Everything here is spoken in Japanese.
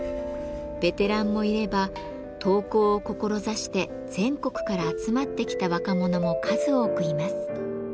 ベテランもいれば陶工を志して全国から集まってきた若者も数多くいます。